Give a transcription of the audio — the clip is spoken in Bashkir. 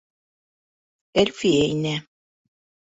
Әлфиә инә.